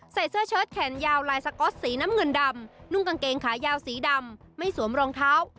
เสื้อเชิดแขนยาวลายสก๊อตสีน้ำเงินดำนุ่งกางเกงขายาวสีดำไม่สวมรองเท้า